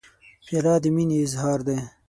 پیاله د مینې اظهار دی.